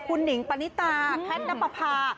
คุณหนิงปณิตาแพทย์นับประพา